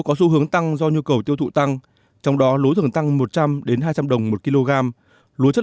có xu hướng tăng do nhu cầu tiêu thụ tăng trong đó lúa thường tăng một trăm linh hai trăm linh đồng một kg lúa chất